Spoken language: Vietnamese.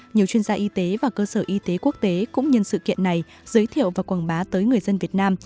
nhiều chuyên gia y tế và cơ sở y tế quốc tế cũng nhân sự kiện này giới thiệu và quảng bá tới người dân việt nam